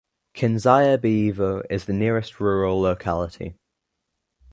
Kinzyabayevo is the nearest rural locality.